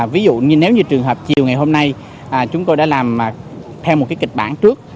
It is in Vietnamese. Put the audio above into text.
ví dụ như nếu như trường hợp chiều ngày hôm nay chúng tôi đã làm theo một cái kịch bản trước